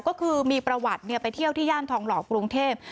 ก็คือมีประวัติไปเที่ยวที่ย่านทองหล่อกรุงเทพ